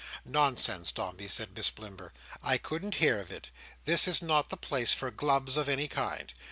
"Nonsense, Dombey," said Miss Blimber. "I couldn't hear of it. This is not the place for Glubbs of any kind.